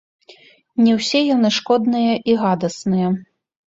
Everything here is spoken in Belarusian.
Не ўсе яны шкодныя і гадасныя.